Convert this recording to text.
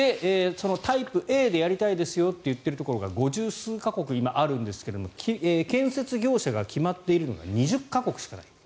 タイプＡでやりたいですよと言っているところが５０数か国あるんですが建設業者が決まっているのが２０か国しかない。